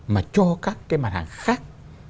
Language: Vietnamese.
mà cho các cái mặt hàng khác